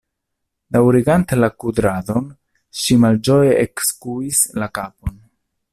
Daŭrigante la kudradon, ŝi malĝoje ekskuis la kapon.